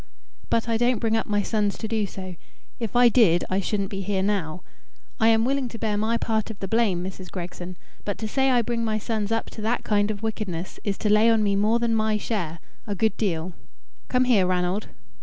"But I don't bring up my sons to do so. If I did I shouldn't be here now. I am willing to bear my part of the blame, Mrs. Gregson, but to say I bring my sons up to that kind of wickedness, is to lay on me more than my share, a good deal. Come here, Ranald."